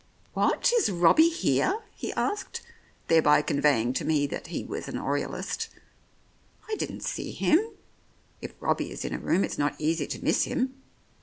"What, is Robbie here?" he asked, thereby con veying to me that he was an Oriolist. "I didn't see him. If Robbie is in a room it's not easy to miss him.